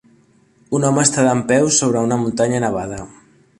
Un home està dempeus sobre una muntanya nevada.